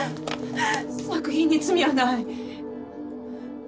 作品に罪はない！